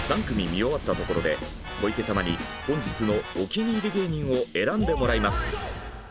３組見終わったところで小池様に本日のお気に入り芸人を選んでもらいます。